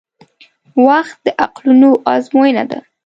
• وخت د عقلونو ازموینه ده.